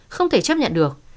không thể chấp nhận được